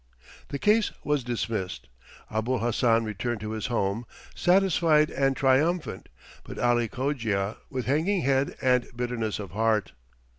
The case was dismissed. Abul Hassan returned to his home, satisfied and triumphant, but Ali Cogia with hanging head and bitterness of heart.